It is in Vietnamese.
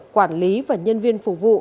quản lý và nhân viên phục vụ